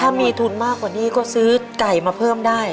ถ้ามีทุนมากกว่านี้ก็ซื้อไก่มาเพิ่มได้